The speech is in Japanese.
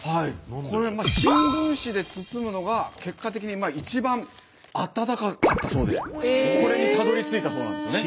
これ新聞紙で包むのが結果的に一番あったかかったそうでこれにたどりついたそうなんですよね。